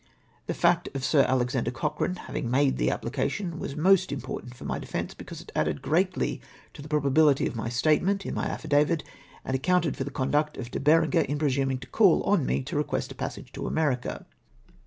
The fact of Sir Alexander Cochrane having made the application was most impoilant for my defence, because it added greatly to the probabihty of my statement in my affi davit, and accounted for the conduct of De Berenger in presuming to call on me to request a passage to America.